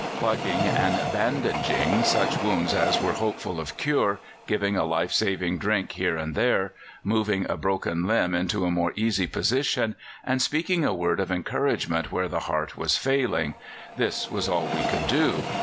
Plugging and bandaging such wounds as were hopeful of cure, giving a life saving drink here and there, moving a broken limb into a more easy position, and speaking a word of encouragement where the heart was failing this was all we could do.